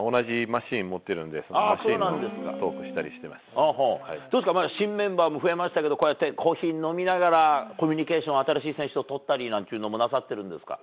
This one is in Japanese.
同じマシン持ってるんで、そのマどうですか、新メンバーも増えましたけど、こうやってコーヒー飲みながら、コミュニケーション、新しい選手と取ったりなんていうのもなさってるんですか。